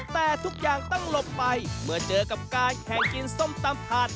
แต่ทุกอย่างต้องหลบไปเมื่อเจอกับการแข่งกินส้มตำถาด